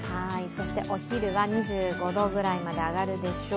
そしてお昼は２５度ぐらいまで上がるでしょう。